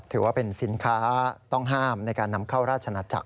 ถือว่าเป็นสินค้าต้องห้ามในการนำเข้าราชนาจักร